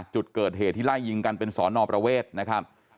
จุดเกิดเหตุที่ไล่ยิงกันเป็นสอนอประเวทนะครับ